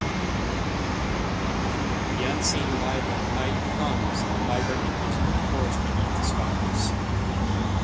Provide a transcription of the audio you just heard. The unseen life of night hums a vibrant, invisible chorus beneath the stars.